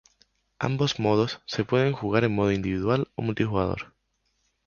Ambos modos se pueden jugar en modo individual o multijugador.